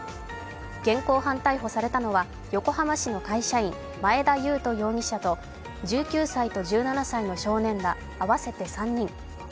現行犯逮捕されたのは横浜市の会社員、前田悠翔容疑者と１９歳と１７歳の少年ら合わせて３人。